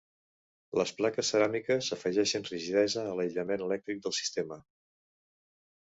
Les plaques ceràmiques afegeixen rigidesa a l"aïllament elèctric del sistema.